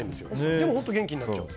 でも元気になっちゃう。